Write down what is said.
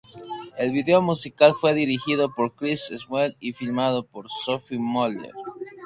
El video musical fue dirigido por Chris Sweeney y filmado por Sophie Muller.